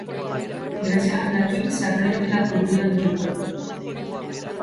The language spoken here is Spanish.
Gracias al latín se aprende la cultura antigua.